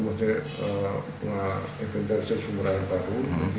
maksudnya inventarisir sumber air baru